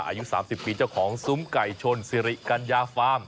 อายุ๓๐ปีเจ้าของซุ้มไก่ชนสิริกัญญาฟาร์ม